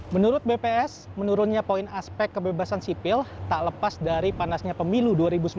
menurut bps menurunnya poin aspek kebebasan sipil tak lepas dari panasnya pemilu dua ribu sembilan belas